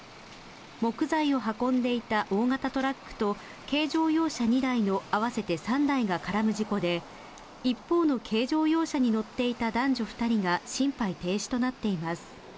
木材を運んでいた大型トラックと軽乗用車２台の合わせて３台が絡む事故で、一方の軽乗用車に乗っていた男女２人が心肺停止となっています。